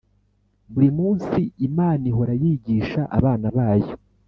buri munsi imana ihora yigisha abana bayo